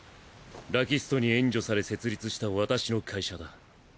ラキストに援助され設立した私の会社だ。